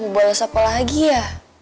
mau bales apa lagi ya